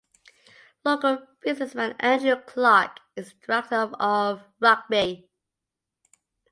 Local businessman Andrew Clark is the Director of Rugby.